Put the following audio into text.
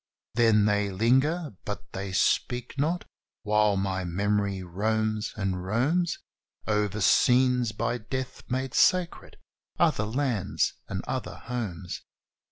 Then they linger, but they speak not, while my memory roams and roams Over scenes by death made sacred other lands and other homes!